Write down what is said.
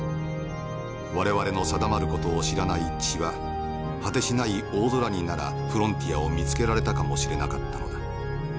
我々の定まる事を知らない血は果てしない大空にならフロンティアを見つけられたかもしれなかったのだ。